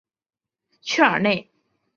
屈尔内。